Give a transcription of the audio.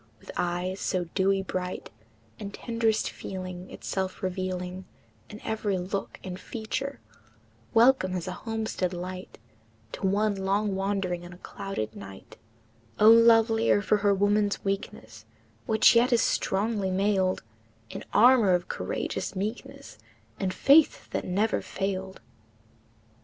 With eyes so dewy bright, And tenderest feeling Itself revealing In every look and feature, Welcome as a homestead light To one long wandering in a clouded night, O, lovelier for her woman's weakness, Which yet is strongly mailed In armor of courageous meekness And faith that never failed!